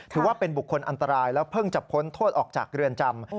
ถือว่าเป็นบุคคลอันตรายแล้วเพิ่งจะพ้นโทษออกจากเรือนจำ